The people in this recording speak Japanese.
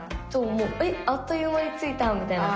「えっあっというまについた」みたいな。